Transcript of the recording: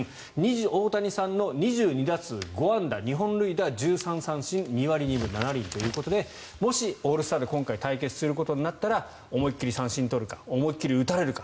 大谷さんの２２打数５安打２本塁打１３三振２割２分７厘ということでもし、オールスターで今回対決することになったら思い切り三振を取るか思い切り打たれるか